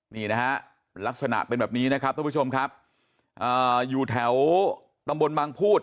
นี่นะฮะลักษณะเป็นแบบนี้นะครับทุกผู้ชมครับอยู่แถวตำบลบางพูด